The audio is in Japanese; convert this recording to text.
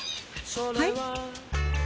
はい？